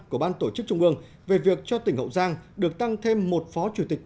của ban tổ chức trung ương về việc cho tỉnh hậu giang được tăng thêm một phó chủ tịch